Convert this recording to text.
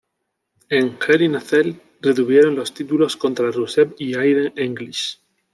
En Hell In A Cell retuvieron los títulos contra Rusev y Aiden English.